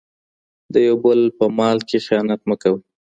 د یو بل په مال کي خیانت مه کوئ.